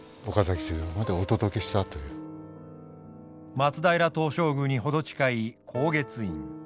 松平東照宮に程近い高月院。